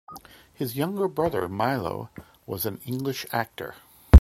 His younger brother Milo was an English actor.